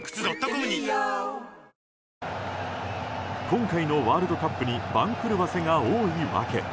今回のワールドカップに番狂わせが多い訳。